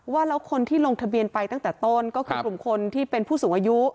ว่าแล้วคนที่ลงทะเบียนไปตั้งแต่ต้นก็คือกลุ่มคนที่เป็นผู้สูงอายุ